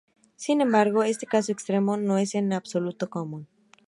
Sin embargo, este caso extremo no es en absoluto común.